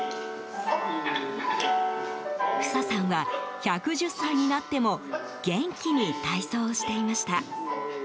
フサさんは１１０歳になっても元気に体操をしていました。